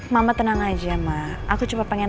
mama tenang aja mak aku cuma pengen